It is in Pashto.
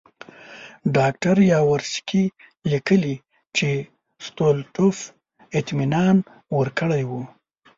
ډاکټر یاورسکي لیکي چې ستولیټوف اطمینان ورکړی وو.